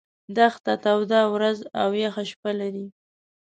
دښته توده ورځ او یخه شپه لري.